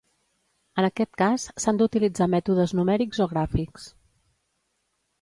En aquest cas, s'han d'utilitzar mètodes numèrics o gràfics.